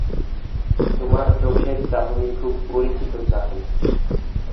তোমার চোখের চাহনি খুব পরিচিত চাহনি।